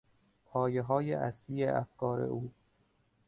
پایههای اصلی افکار او